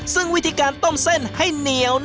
ซึ่งวิธีการต้มเส้นให้เหนียว